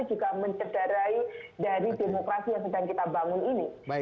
ini juga mencederai hak konstitusi tapi juga mencederai dari demokrasi yang sedang kita bangun ini